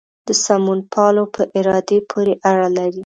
د سمونپالو په ارادې پورې اړه لري.